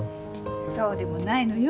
そうでもないのよ。